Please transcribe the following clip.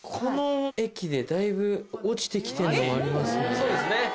そうですね。